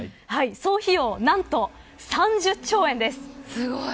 総費用、何と３０兆円です。